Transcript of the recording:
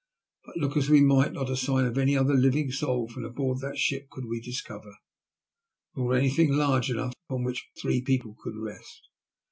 But look as we might, not a sign of any other living soul from aboard that ship could we discover, nor anything large enough upon which three people could rest.